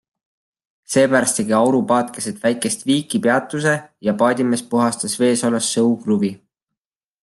Seepärast tegi aurupaat keset Väikest viiki peatuse ja paadimees puhastas vees olles sõukruvi.